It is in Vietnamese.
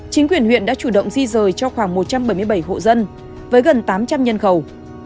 chính quyền huyện đã chủ động di rời cho khoảng một trăm bảy mươi bảy hộ dân với gần tám trăm linh nhân khẩu